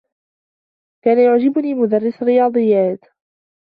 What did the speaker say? كان يعجبني مدرّس الرّياضيّات.